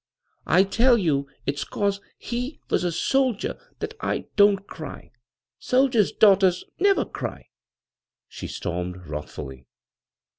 " I tell you if s 'cause he was a soldier that I don't cry. Soldiers' daughters never cry," she stormed wrathfuHy.